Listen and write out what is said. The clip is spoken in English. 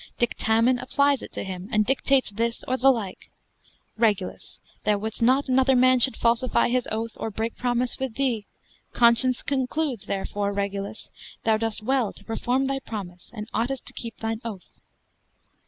Dictamen applies it to him, and dictates this or the like: Regulus, thou wouldst not another man should falsify his oath, or break promise with thee: conscience concludes, therefore, Regulus, thou dost well to perform thy promise, and oughtest to keep thine oath.